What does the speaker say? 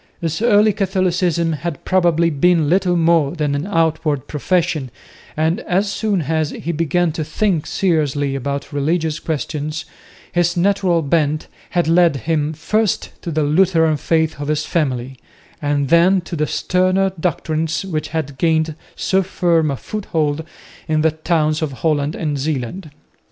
His early Catholicism had probably been little more than an outward profession, and as soon as he began to think seriously about religious questions, his natural bent had led him first to the Lutheran faith of his family, and then to the sterner doctrines, which had gained so firm a foothold in the towns of Holland and Zeeland.